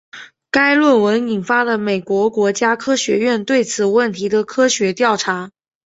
该论文引发了美国国家科学院对此问题的科学调查。